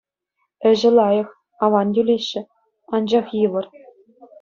Ĕçĕ лайӑх, аван тӳлеҫҫӗ, анчах йывӑр.